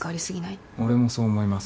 俺もそう思います。